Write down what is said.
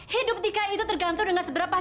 hidup tika itu tergantung dengan seberapa